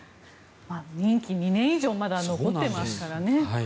任期２年以上まだ残っていますからね。